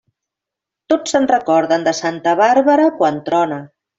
Tots se'n recorden de santa Bàrbara quan trona.